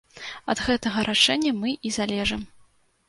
Ад гэтага рашэння мы і залежым.